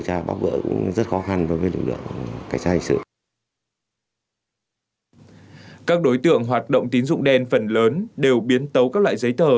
các đối tượng hoạt động tín dụng đen phần lớn đều biến tấu các loại giấy tờ